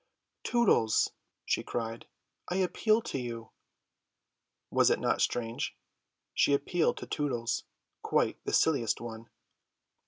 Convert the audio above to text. "Tootles," she cried, "I appeal to you." Was it not strange? She appealed to Tootles, quite the silliest one.